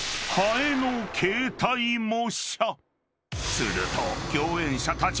［すると］